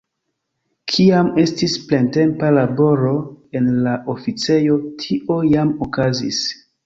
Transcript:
Kiam estis plentempa laboro en la oficejo, tio jam okazis.